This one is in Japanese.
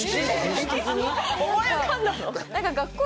思い浮かんだの？